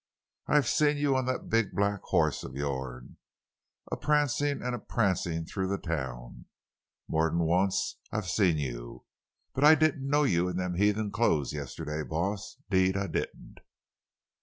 I've seen you on that big black hoss of yourn, a prancin' an' a prancin' through town—more'n once I've seen you. But I didn't know you in them heathen clo's yesterday, boss—'deed I didn't!"